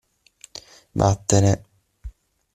Vattene!